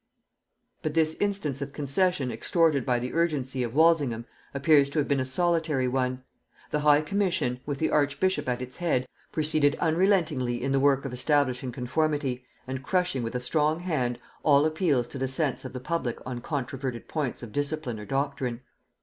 But this instance of concession extorted by the urgency of Walsingham appears to have been a solitary one; the high commission, with the archbishop at its head, proceeded unrelentingly in the work of establishing conformity, and crushing with a strong hand all appeals to the sense of the public on controverted points of discipline or doctrine.